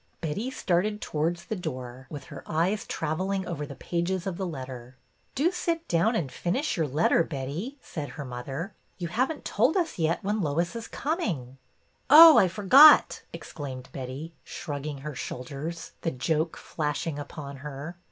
Betty started towards the door, with her eyes traveling over the pages of the letter. Do sit down and finish your letter, Betty," said her mother. '' You have n't told us yet when Lois is coming." '' Oh, I forgot," exclaimed Betty, shrugging her shoulders, the joke flashing upon her.